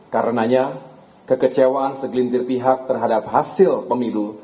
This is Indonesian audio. karenanya kekecewaan segelintir pihak terhadap hasil pemilu